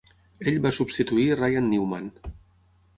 Ell va substituir Ryan Newman.